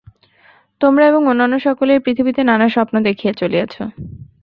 তোমরা এবং অন্যান্য সকলে এই পৃথিবীতে নানা স্বপ্ন দেখিয়া চলিয়াছ।